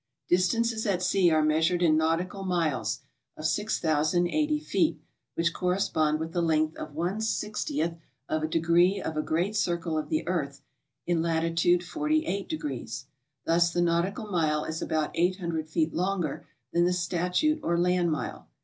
Distances at sea are measured in nautical miles of 6080 feet, which correspond with the length of one sixtieth of a degree of a great circle of the earth in latitude 48 degs. Thus the nautical mile is about 800 feet longer than the statute or land mile.